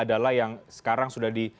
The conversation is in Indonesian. adalah yang sekarang sudah